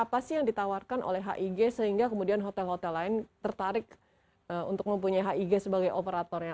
apa sih yang ditawarkan oleh hig sehingga kemudian hotel hotel lain tertarik untuk mempunyai hig sebagai operatornya